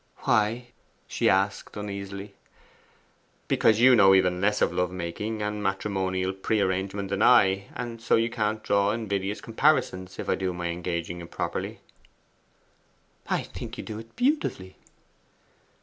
'Why?' she asked uneasily. 'Because you know even less of love making and matrimonial prearrangement than I, and so you can't draw invidious comparisons if I do my engaging improperly.' 'I think you do it beautifully!